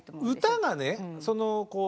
歌がね